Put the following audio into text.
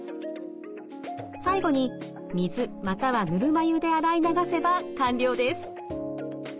最後に水またはぬるま湯で洗い流せば完了です。